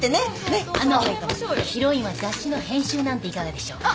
ヒロインは雑誌の編集なんていかがでしょうか？